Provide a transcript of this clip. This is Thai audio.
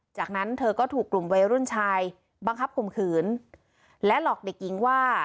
จากนั้นเธอก็ถูกกลุ่มวัยรุ่นชายบังคับข่มขืนและหลอกเด็กหญิงว่า